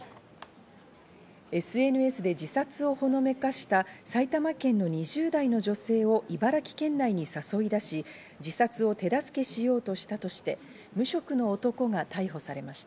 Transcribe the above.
ＳＮＳで自殺をほのめかした埼玉県の２０代の女性を茨城県内に誘い出し、自殺を手助けしようとしたとして、無職の男が逮捕されました。